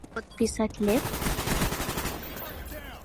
Подписатлет?